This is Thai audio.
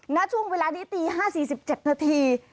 ณช่วงเวลานี้ตี๕๔๗นาที